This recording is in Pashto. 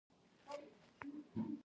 د اولبرس پاراډوکس د شپې تیاره حل کوي.